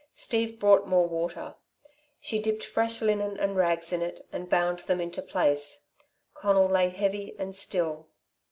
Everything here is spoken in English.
Steve brought more water. She dipped fresh linen and rags in it and bound them into place. Conal lay heavy and still.